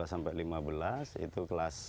tiga belas sampai lima belas itu kelas